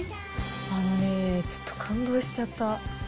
あのね、ちょっと感動しちゃった。